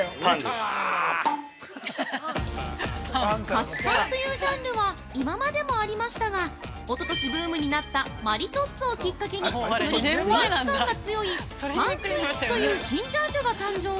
◆菓子パンというジャンルは今までもありましたがおととしブームになったマリトッツォをきっかけによりスイーツ感が強い「パンスイーツ」という新ジャンルが誕生。